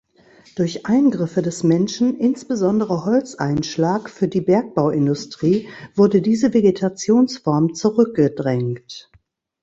Durch Eingriffe des Menschen, insbesondere Holzeinschlag für die Bergbauindustrie, wurde diese Vegetationsform zurückgedrängt.